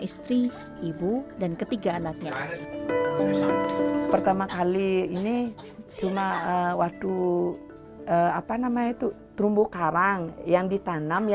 istri ibu dan ketiga anaknya pertama kali ini cuma waktu apa nama itu terumbu karang yang ditanam